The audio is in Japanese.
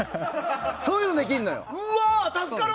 そういうのができんのよ。